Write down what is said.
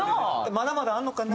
まだまだあるのかな？